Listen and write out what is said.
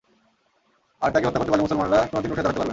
আর তাঁকে হত্যা করতে পারলে মুসলমানরা কোন দিন উঠে দাঁড়াতে পারবে না।